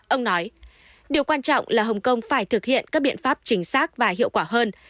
ông nói điều quan trọng là hồng kông phải thực hiện các biện pháp chính xác và hiệu quả hơn